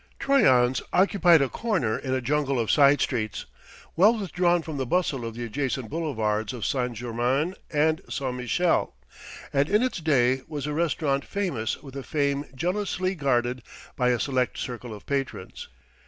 Troyon's occupied a corner in a jungle of side streets, well withdrawn from the bustle of the adjacent boulevards of St. Germain and St. Michel, and in its day was a restaurant famous with a fame jealously guarded by a select circle of patrons.